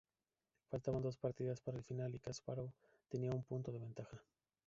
Faltaban dos partidas para el final y Kaspárov tenía un punto de ventaja.